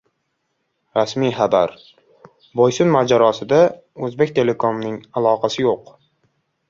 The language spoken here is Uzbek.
Rasmiy xabar! «Boysun mojarosi»da «O‘zbektelekom»ning aloqasi yo‘q!